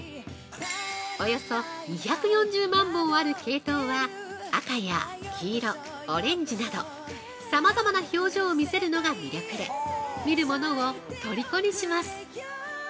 およそ２４０万本あるケイトウは赤や黄色、オレンジなどさまざまな表情を見せるのが魅力で、見る者をとりこにします。